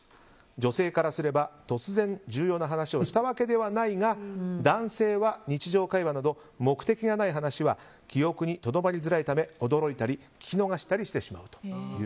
女性からすれば、突然重要な話をしたわけではないが男性は日常会話など目的がない話は記憶にとどまりづらいため驚いたり聞き逃したりしてしまう。